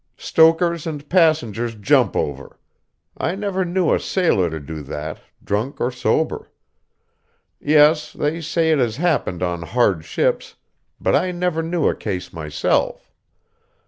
Stokers and passengers jump over; I never knew a sailor to do that, drunk or sober. Yes, they say it has happened on hard ships, but I never knew a case myself.